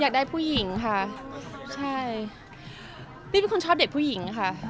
อยากได้ผู้หญิงค่ะใช่พี่เป็นคนชอบเด็กผู้หญิงค่ะ